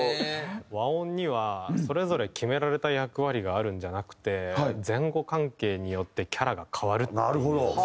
和音にはそれぞれ決められた役割があるんじゃなくて前後関係によってキャラが変わるっていう。